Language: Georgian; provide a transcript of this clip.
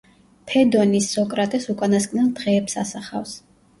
ფედონი სოკრატეს უკანასკნელ დღეებს ასახავს.